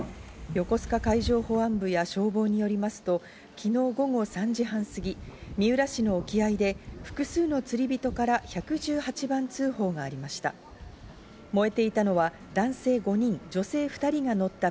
横須賀海上保安部や消防によりますと昨日午後３時半過ぎ、三浦市の沖合で複数の釣り人から１１８番通報がありました。